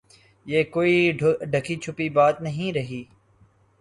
یہ کوئی ڈھکی چھپی بات نہیں رہی۔